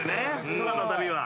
空の旅は。